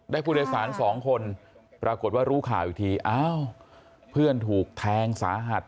ผู้โดยสารสองคนปรากฏว่ารู้ข่าวอีกทีอ้าวเพื่อนถูกแทงสาหัส